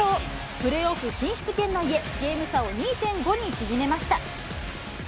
プレーオフ進出圏内へ、ゲーム差を２．５に縮めました。